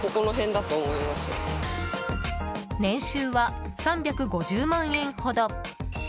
年収は３５０万円ほど。